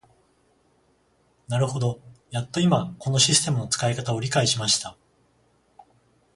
なるほど、やっと今このシステムの使い方を理解しました。